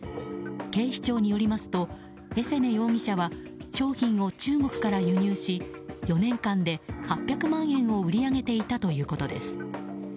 警視庁によりますとエセネ容疑者は商品を中国から輸入し４年間で８００万円を売り上げていたということです。